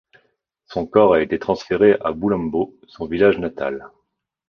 Son corps a été transféré à Bulambo, son village natal.